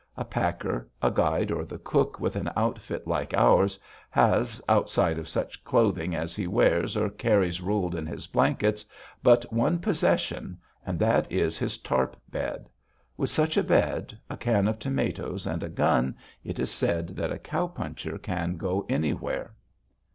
A packer, a guide, or the cook with an outfit like ours has, outside of such clothing as he wears or carries rolled in his blankets, but one possession and that is his tarp bed. With such a bed, a can of tomatoes, and a gun, it is said that a cow puncher can go anywhere.